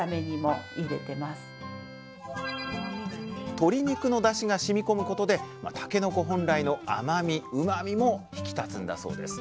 鶏肉のだしがしみこむことでたけのこ本来の甘みうまみも引き立つんだそうです。